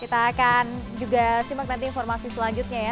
kita akan juga simak nanti informasi selanjutnya ya